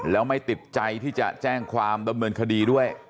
แล้วไม่ติดใจที่จะแจ้งความดำเนินคดีด้วย